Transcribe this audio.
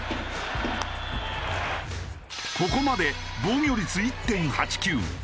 ここまで防御率１．８９。